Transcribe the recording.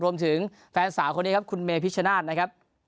แฟนสาวคนนี้ครับคุณเมพิชชนาธิ์นะครับ